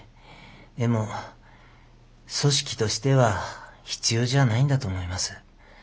でも組織としては必要じゃないんだと思います。